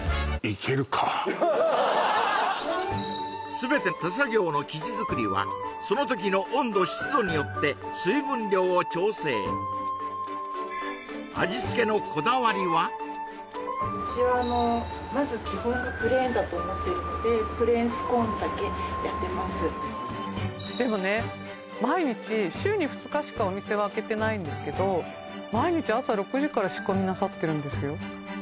全て手作業の生地作りはその時の温度湿度によって水分量を調整うちはあのまず基本がプレーンだと思ってるのでプレーンスコーンだけやってますでもね毎日週に２日しかお店は開けてないんですけど毎日朝６時から仕込みなさってるんですよ